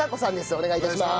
お願いいたします。